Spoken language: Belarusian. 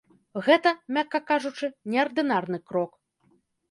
Гэта, мякка кажучы, неардынарны крок.